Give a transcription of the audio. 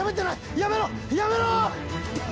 やめろやめろ！